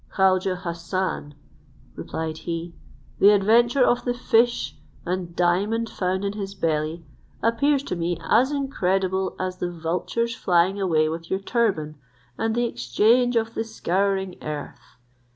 "Khaujeh Hassan," replied he, "the adventure of the fish, and diamond found in his belly, appears to me as incredible as the vulture's flying away with your turban, and the exchange of the scouring earth.